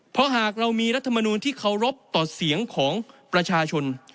เพราะหากเรามีรัฐมนูลที่เคารพต่อเสียงของประชาชน